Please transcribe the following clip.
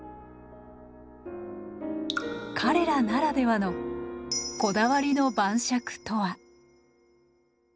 彼らならではのこだわりの晩酌とは？